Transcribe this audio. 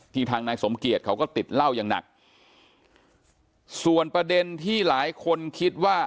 ทางนายสมเกียจเขาก็ติดเหล้าอย่างหนักส่วนประเด็นที่หลายคนคิดว่า